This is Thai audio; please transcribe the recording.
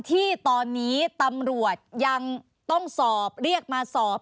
ที่ตอนนี้ตำรวจยังต้องสอบเรียกมาสอบ